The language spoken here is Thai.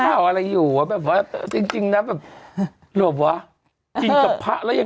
อะไรอยู่หวะจริงหรือว่าจริงกับพระและค่ะ